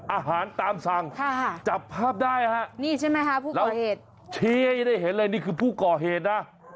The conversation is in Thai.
อาหารตามสั่งจับภาพได้น่ะครับแล้วชีอย่าได้เห็นเลยนี่คือผู้ก่อเหตุนะ